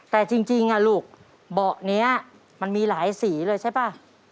แต่จริงลูกเบาะนี้มันมีหลายสีเลยใช่ป่ะ